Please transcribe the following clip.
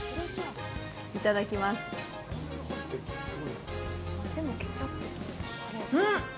いただきますうん！